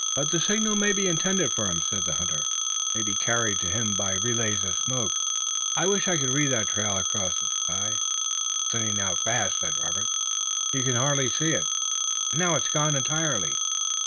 "But the signal may be intended for him," said the hunter. "It may be carried to him by relays of smoke. I wish I could read that trail across the sky." "It's thinning out fast," said Robert. "You can hardly see it! and now it's gone entirely!"